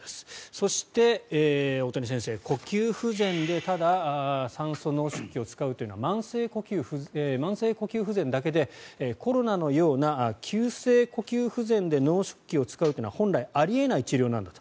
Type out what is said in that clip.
そして、大谷先生、呼吸不全でただ酸素濃縮器を使うというのは慢性呼吸不全だけでコロナのような急性呼吸不全で濃縮器を使うというのは本来あり得ない治療なんだと。